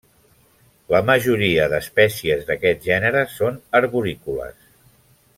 La majoria d'espècies d'aquest gènere són arborícoles.